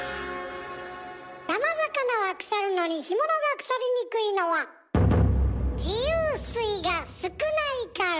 生魚は腐るのに干物が腐りにくいのは自由水が少ないから。